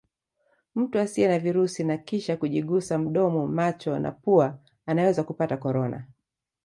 Mtu asiye na virusi na kisha kujigusa mdomo macho na pua anaweza kupata Corona